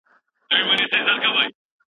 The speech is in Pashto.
تاسي ولي په دغه ساعت کي بېدېږئ؟